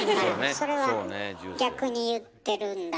それは逆に言ってるんだけど。